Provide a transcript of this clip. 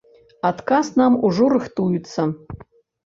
Адказ нам ужо рыхтуецца.